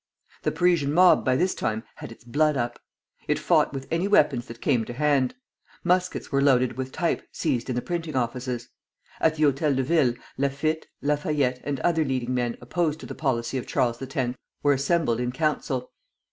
The Parisian mob by this time had its blood up. It fought with any weapons that came to hand. Muskets were loaded with type seized in the printing offices. At the Hôtel de Ville, Laffitte, Lafayette, and other leading men opposed to the policy of Charles X. were assembled in council.